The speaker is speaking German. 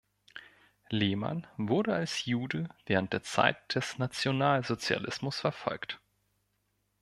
Lehmann wurde als Jude während der Zeit des Nationalsozialismus verfolgt.